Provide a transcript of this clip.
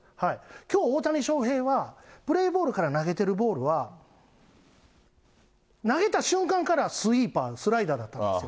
きょう、大谷翔平はプレーボールから投げてるボールは、投げた瞬間からスイーパー、スライダーだったんですよ。